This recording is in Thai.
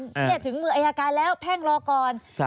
นี่ถึงมืออายการแล้วแพ่งรอก่อน